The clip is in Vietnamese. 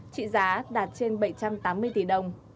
trị giá đạt trên bảy trăm tám mươi tỷ đồng